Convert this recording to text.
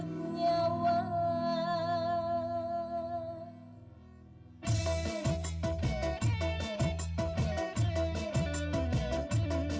gijek ada tiga keluarga